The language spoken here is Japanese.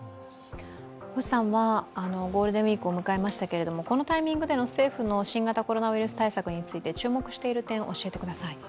星さん、ゴールデンウイークを迎えましたが、このタイミングでの政府の新型コロナ対策について注目している点教えてください。